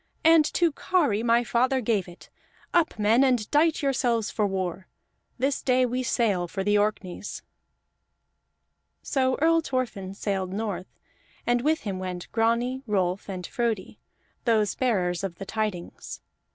"And to Kari my father gave it! Up, men, and dight yourselves for war! This day we sail for the Orkneys." So Earl Thorfinn sailed north, and with him went Grani, Rolf, and Frodi, those bearers of the tidings.